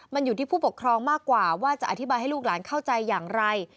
มันอยู่ที่ผู้ปกครองมากกว่าว่าจะอธิบายให้ลูกหลานเข้าใจอย่างไร